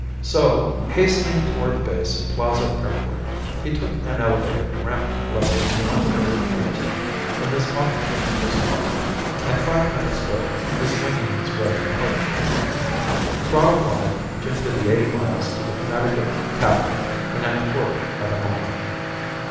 So, hastening toward the base of Plaza Airport, he took an elevator to ramp level 118, where his auto plane was parked, and five minutes later was winging his way to Hartford. Throttle wide, Jim did the eighty miles to the Connecticut capital in a quarter of an hour.